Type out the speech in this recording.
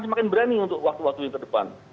semakin berani untuk waktu waktu yang terdepan